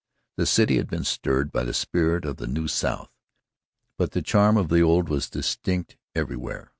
The city had been stirred by the spirit of the new South, but the charm of the old was distinct everywhere.